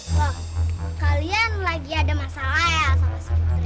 wah kalian lagi ada masalah ya sama suami